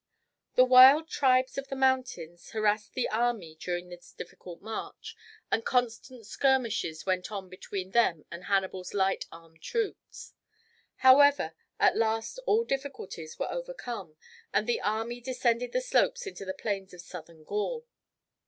The wild tribes of the mountains harassed the army during this difficult march, and constant skirmishes went on between them and Hannibal's light armed troops. However, at last all difficulties were overcome, and the army descended the slopes into the plains of Southern Gaul.